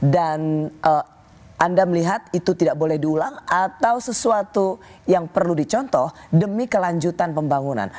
dan anda melihat itu tidak boleh diulang atau sesuatu yang perlu dicontoh demi kelanjutan pembangunan